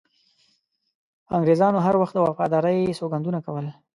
انګریزانو هر وخت د وفادارۍ سوګندونه کول.